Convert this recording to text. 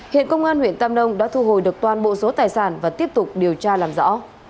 hiện công an huyện tam nông đã thu hồi được toàn bộ số tài sản và tiếp tục điều tra làm rõ